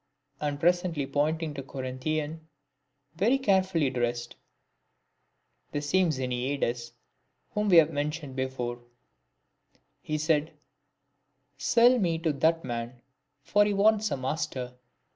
And presently pointing out a Corinthian, very carefully dressed, (the same Xeniades whom we have mentioned before), he said, " Sell me to that man ; for he wants a master."